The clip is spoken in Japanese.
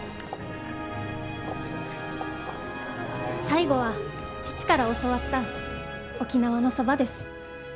最後は父から教わった沖縄のそばです。